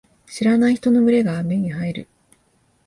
知らない人の群れが目に入る。